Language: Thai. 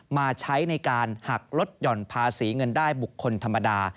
มาใช้ในการหักลดหย่อนภาษีเงินได้บุคคลธรรมดา